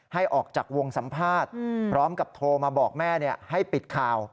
ให้ออกจากวงสัมภาษณ์พร้อมกับโทรมาบอกแม่ให้ปิดข่าว